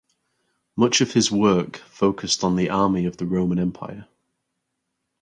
Much of his work focused on the Army of the Roman Empire.